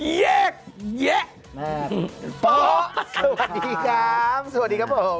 สวัสดีครับ